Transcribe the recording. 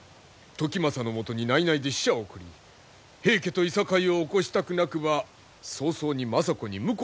時政のもとに内々で使者を送り平家といさかいを起こしたくなくば早々に政子に婿を取らせよと言うのだ。